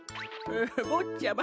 ぼっちゃま